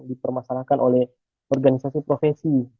dipermasalahkan oleh organisasi profesi